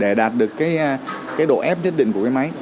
để đạt được cái độ ép nhất định của cái máy